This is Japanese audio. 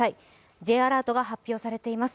Ｊアラートが発表されています。